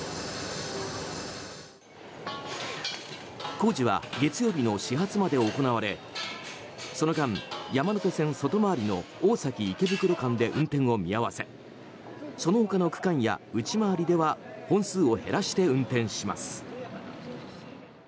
工事は月曜日の始発まで行われその間、山手線外回りの大崎池袋間で運転を見合わせその他の区間や内回りでは本数を減らして運転します。